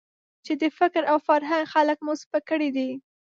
چې د فکر او فرهنګ خلک مو سپک کړي دي.